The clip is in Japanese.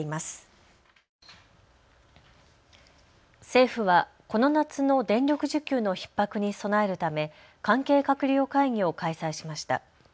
政府はこの夏の電力需給のひっ迫に備えるため関係閣僚会議を開催しました。